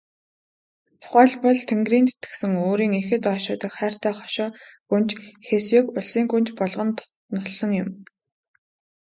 Тухайлбал, Тэнгэрийн тэтгэсэн өөрийн ихэд ойшоодог хайртай хошой гүнж Хэсяог улсын гүнж болгон дотнолсон.